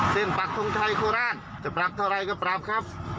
ปักทงชัยโคราชจะปรับเท่าไรก็ปรับครับ